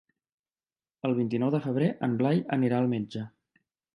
El vint-i-nou de febrer en Blai anirà al metge.